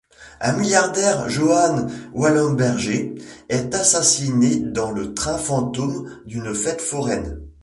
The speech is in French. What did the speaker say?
Un milliardaire, Johan Wallenberger, est assassiné dans le train fantôme d'une fête foraine.